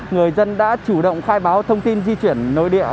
người dân đã chủ động khai báo thông tin di chuyển nội địa